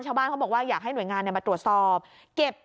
ชาวบ้านเขาบอกว่าอยากให้หน่วยงานมาตรวจสอบเก็บ